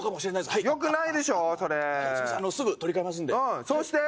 はいよくないでしょそれすぐ取りかえますんでうんそうしてー